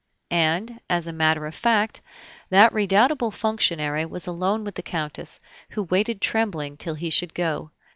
And, as a matter of fact, that redoubtable functionary was alone with the Countess, who waited trembling till he should go.